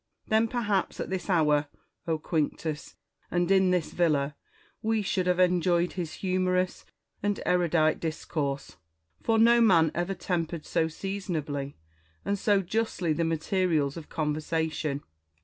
Then perhaps at this hour, O Quinctus, and in this villa, we should have enjoyed his humorous and erudite discourse ; for no man ever tempered so seasonably and so justly the materials of con versation.